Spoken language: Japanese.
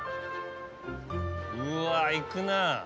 うわいくなぁ。